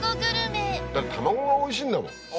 だって卵がおいしいんだもん。